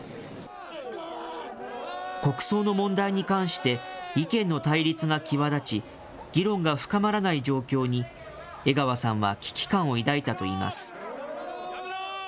国葬の問題に関して意見の対立が際立ち、議論が深まらない状況に、江川さんは危機感を抱いたといいます。